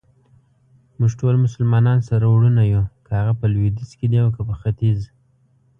موږټول مسلمانان سره وروڼه يو ،که هغه په لويديځ کې دي اوکه په ختیځ.